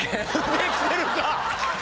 できてるか！